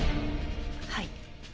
はい。